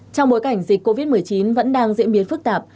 trong bối cảnh dịch covid một mươi chín vẫn đang diễn biến phức tạp